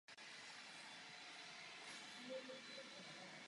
Jejich vyslanci podepsali deklaraci nezávislosti.